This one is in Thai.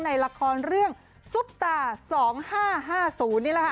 ในละครเรื่องซุปตา๒๕๕๐นี่แหละค่ะ